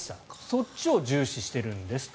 そっちを重視してるんですと。